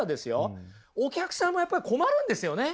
お客さんもやっぱり困るんですよね！